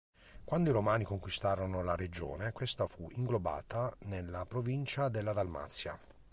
Quando i Romani conquistarono la regione, questa fu inglobata nella provincia della Dalmazia.